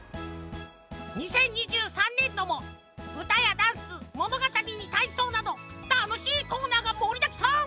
２０２３ねんどもうたやダンスものがたりにたいそうなどたのしいコーナーがもりだくさん！